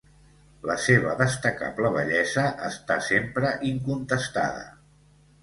La seva destacable bellesa està sempre incontestada.